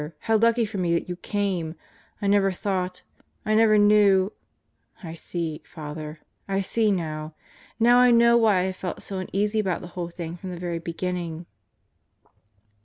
How lucky for me that you came! I never thought ... I never Out of the Devife Clutches 171 knew ... I see, Father. I see now. Now I know why I have felt so uneasy about the whole thing from the very beginning."